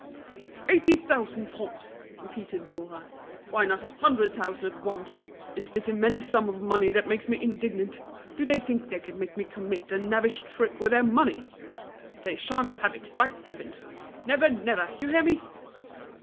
"Eighty thousand francs!" repeated Bourras. "Why not a hundred thousand at once? It's this immense sum of money that makes me indignant. Do they think they can make me commit a knavish trick with their money! They sha'n't have it, by heavens! Never, never, you hear me?"